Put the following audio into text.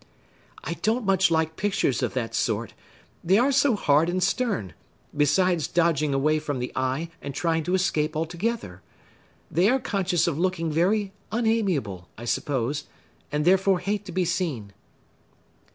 "I don't much like pictures of that sort,—they are so hard and stern; besides dodging away from the eye, and trying to escape altogether. They are conscious of looking very unamiable, I suppose, and therefore hate to be seen."